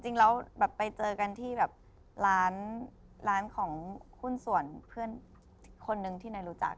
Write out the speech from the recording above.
จริงแล้วแบบไปเจอกันที่แบบร้านของหุ้นส่วนเพื่อนคนนึงที่นายรู้จัก